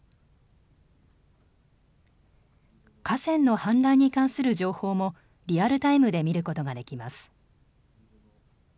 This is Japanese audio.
河川の氾濫に関する情報もリアルタイムで見ることができます。